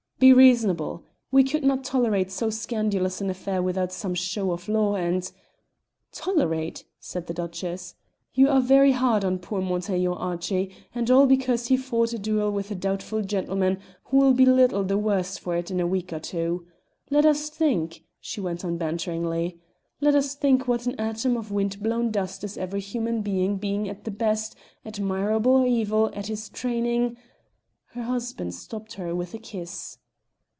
"Be reasonable! We could not tolerate so scandalous an affair without some show of law and " "Tolerate!" said the Duchess. "You are very hard on poor Montaiglon, Archie, and all because he fought a duel with a doubtful gentleman who will be little the worse for it in a week or two. Let us think," she went on banteringly "let us think what an atom of wind blown dust is every human being at the best, admirable or evil as his training " Her husband stopped her with a kiss.